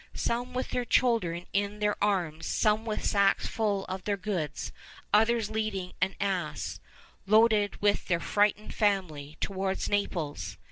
Some with their children in their arms, some with sacks full of their goods; others leading an ass, loaded with their frightened family, towards Naples....